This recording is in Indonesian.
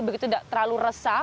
begitu tidak terlalu resah